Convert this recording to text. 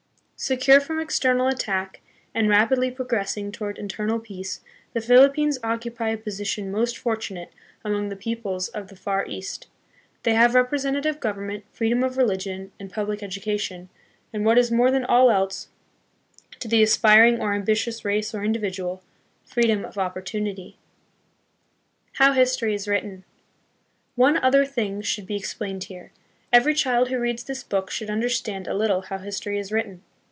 Secure.from external attack and rapidly progressing toward internal peace, the Philippines occupy a position most for tunate among the peoples of the Far East. They have representative government, freedom of religion, and pub lic education, and, what is more than all else to the aspir ing or ambitious race or individual, freedom of opportunity. A SUBJECT FOR HISTORICAL STUDY. 15 How History is Written. One other thing should be explained here. Every child who reads this book should understand a little how history is written.